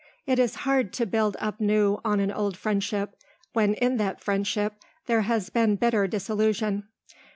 It is hard to build up new on an old friendship when in that friendship there has been bitter disillusion.